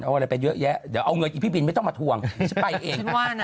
เอาอะไรไปเยอะแยะเดี๋ยวเอาเงินอีกพี่บินไม่ต้องมาทวงฉันไปเอง